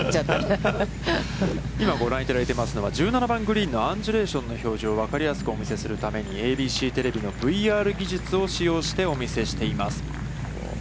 今、ご覧いただいていますのは１７番グリーンの、アンジュレーション、わかりやすくお見せするためにＡＢＣテレビのＶＲ技術を使用してお見せしています。